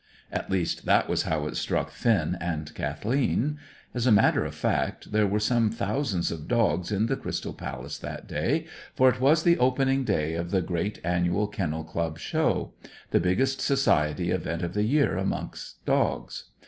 At least, that was how it struck Finn and Kathleen. As a matter of fact, there were some thousands of dogs in the Crystal Palace that day, for it was the opening day of the great annual Kennel Club Show; the biggest society event of the year among dogs.